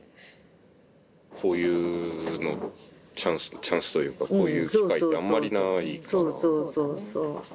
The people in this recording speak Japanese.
こういうチャンスというかこういう機会ってあんまりないから。